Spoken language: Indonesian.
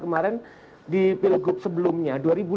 kemarin di pilgub sebelumnya